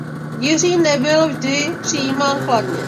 Jiří nebyl vždy přijímán kladně.